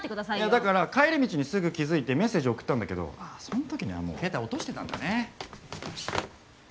だから帰り道にすぐ気付いてメッセージ送ったんだけどそん時にはもう携帯落としてたんだね。